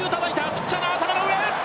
ピッチャーの頭の上！